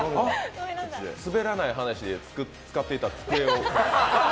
「すべらない話」で使っていた机を。